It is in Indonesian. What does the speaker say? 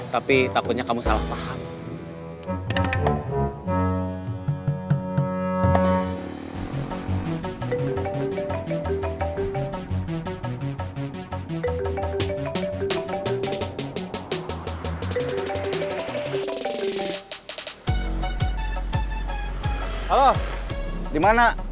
tapi takutnya kamu salah paham